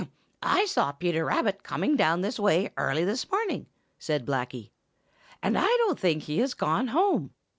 "I saw Peter Rabbit coming down this way early this morning," said Blacky, "and I don't think he has gone home.